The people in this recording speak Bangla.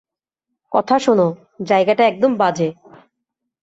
কথা শোন, জায়গাটা একদম বাজে!